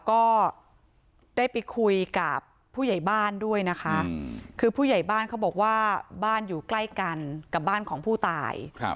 ก็ได้ไปคุยกับผู้ใหญ่บ้านด้วยนะคะคือผู้ใหญ่บ้านเขาบอกว่าบ้านอยู่ใกล้กันกับบ้านของผู้ตาย